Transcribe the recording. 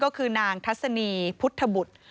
ก็คือนางทัศนีพุทธบุตร